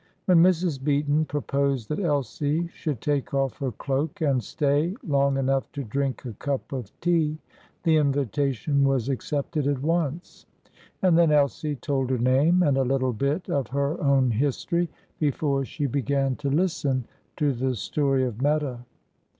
When Mrs. Beaton proposed that Elsie should take off her cloak and stay long enough to drink a cup of tea, the invitation was accepted at once. And then Elsie told her name, and a little bit of her own history, before she began to listen to the story of Meta.